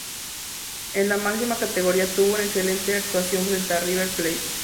En la máxima categoría tuvo una excelente actuación frente a River Plate.